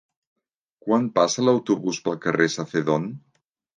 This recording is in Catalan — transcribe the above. Quan passa l'autobús pel carrer Sacedón?